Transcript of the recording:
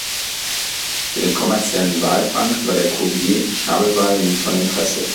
Für den kommerziellen Walfang war der Cuvier-Schnabelwal nie von Interesse.